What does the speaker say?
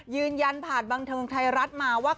ยืนยันผ่านบันเทิงไทยรัฐมาว่า